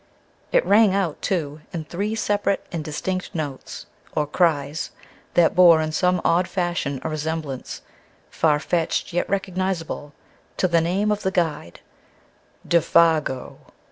It rang out, too, in three separate and distinct notes, or cries, that bore in some odd fashion a resemblance, farfetched yet recognizable, to the name of the guide: "_Dé fa go!